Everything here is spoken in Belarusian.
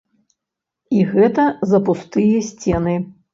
І гэта за пустыя сцены!